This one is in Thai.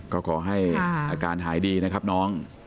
ก็ขอให้อาการหายดีนะครับน้อง